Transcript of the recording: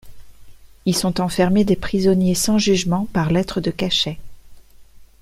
Y sont enfermés des prisonniers sans jugement par lettre de cachet.